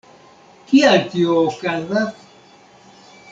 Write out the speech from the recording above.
Kial tio okazas?